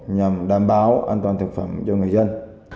nhằm đảm bảo an toàn thực phẩm cho người dân